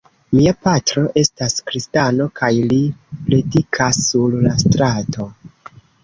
Mia patro estas kristano kaj li predikas sur la strato.